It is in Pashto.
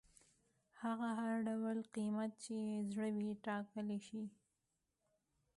هغه هر ډول قیمت چې یې زړه وي ټاکلی شي.